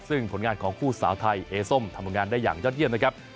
ซึ่งผลงานของคู่สาวไทยเอส้มทำงานได้อย่างยอดเยี่ยมนะครับ